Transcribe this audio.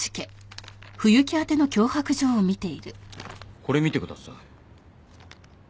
これ見てください。